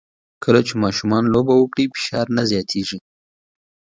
کله چې ماشومان لوبه وکړي، فشار نه زیاتېږي.